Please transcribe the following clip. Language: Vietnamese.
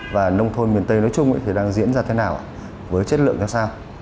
là thế nào ạ với chất lượng là sao